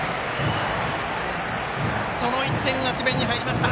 その１点が入りました。